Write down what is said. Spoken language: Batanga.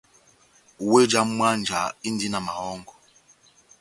Wéh já mwánja indi na mahɔ́ngɔ.